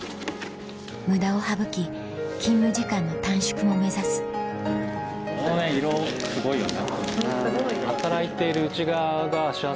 無駄を省き勤務時間の短縮も目指すこの色すごいよね。